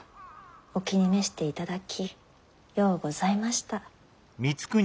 お気に召していただきようございました。